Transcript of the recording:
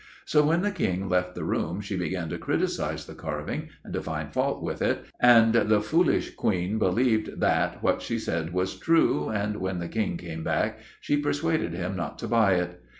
So, when the King left the room, she began to criticize the carving, and to find fault with it, and the foolish Queen believed that what she said was true, and when the King came back, she persuaded him not to buy it.